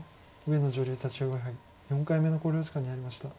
上野女流立葵杯４回目の考慮時間に入りました。